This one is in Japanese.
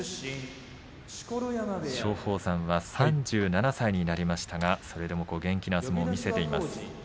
松鳳山は３７歳になりましたがそれでも元気な相撲を見せています。